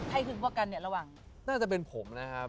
ใครถึงพวกกันเนี่ยระวังน่าจะเป็นผมนะครับ